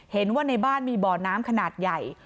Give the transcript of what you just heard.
เห็นว่าในบ้านมีบ่อน้ำขนาดใหญ่